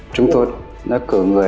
chúng tôi đã cử người